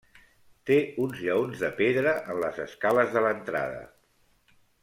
Té uns lleons de pedra en les escales de l'entrada.